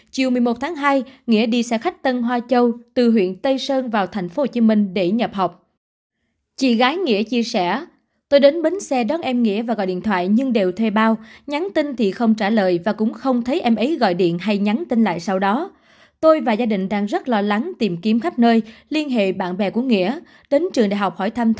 chiều một mươi một tháng hai nghĩa đi xe khách tân hoa châu từ huyện tây sơn vào tp hcm để nhập học